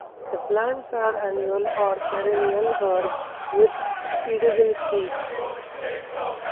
The plants are annual or perennial herbs with edible seeds.